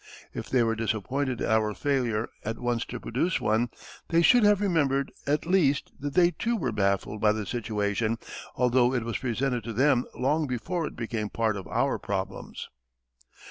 If they were disappointed at our failure at once to produce one, they should have remembered at least that they too were baffled by the situation although it was presented to them long before it became part of our problems.